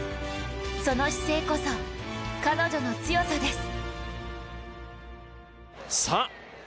その姿勢こそ、彼女の強さです。